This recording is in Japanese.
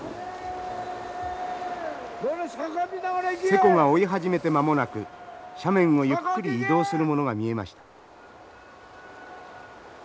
勢子が追い始めて間もなく斜面をゆっくり移動するものが見えました。